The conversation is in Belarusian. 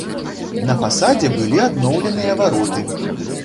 На фасадзе былі адноўленыя вароты.